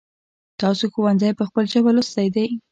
تاسو ښونځی په خپل ژبه لوستی دی ؟